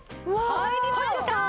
入りました！